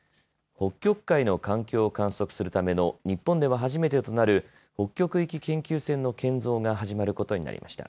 北極海の環境を観測するための日本では初めてとなる北極域研究船の建造が始まることになりました。